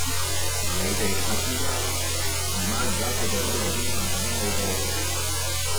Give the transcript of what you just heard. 你哋快啲啦!姨媽佢哋而家喺利東站等緊你哋